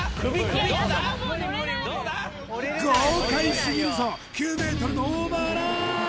豪快すぎるぞ９ｍのオーバーラン